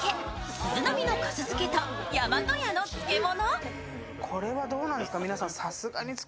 鈴波の粕漬けと大和屋の漬物。